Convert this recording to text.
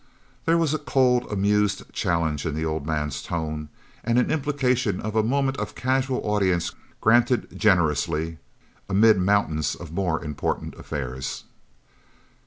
There was a cold, amused challenge in the old man's tone, and an implication of a moment of casual audience granted generously, amid mountains of more important affairs.